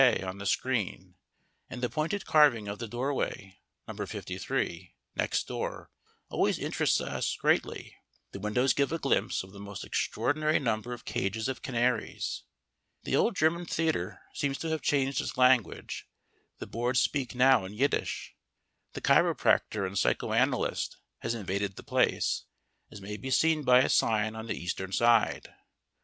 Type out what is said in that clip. A. on the screen and the pointed carving of the doorway. Number 53, next door, always interests us greatly: the windows give a glimpse of the most extraordinary number of cages of canaries. The old German theatre seems to have changed its language: the boards speak now in Yiddish. The chiropractor and psycho analyst has invaded the Place, as may be seen by a sign on the eastern side.